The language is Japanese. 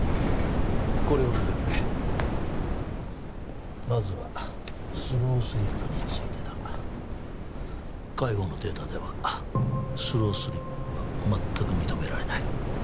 これを見てくれまずはスロースリップについてだ海保のデータではスロースリップは全く認められない